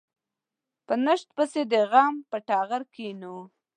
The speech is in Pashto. په نشت پسې د غم په ټغره کېنو.